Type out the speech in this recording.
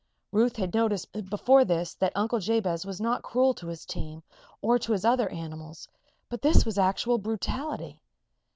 Ruth had noticed before this that Uncle Jabez was not cruel to his team, or to his other animals; but this was actual brutality.